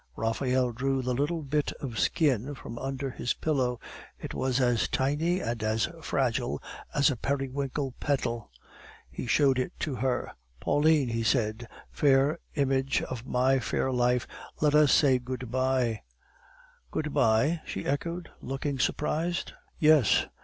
Raphael drew the little bit of skin from under his pillow; it was as tiny and as fragile as a periwinkle petal. He showed it to her. "Pauline!" he said, "fair image of my fair life, let us say good bye?" "Good bye?" she echoed, looking surprised. "Yes.